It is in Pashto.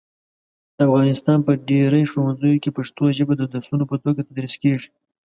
د افغانستان په ډېری ښوونځیو کې پښتو ژبه د درسونو په توګه تدریس کېږي.